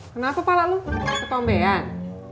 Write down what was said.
kenapa pala lu ketombean